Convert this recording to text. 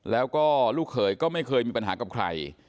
แล้วก็ลูกเขยก็ไม่เคยมีปัญหากับใคร